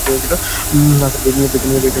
হ্যাঁঁ, স্যার পেয়ে যাবেন রেডিও দাও তো।